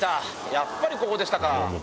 やっぱりここでしたか。